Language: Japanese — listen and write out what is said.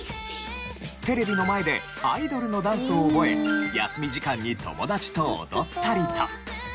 テレビの前でアイドルのダンスを覚え休み時間に友達と踊ったりと。